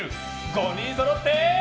５人そろって。